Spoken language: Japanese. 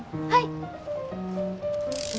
はい。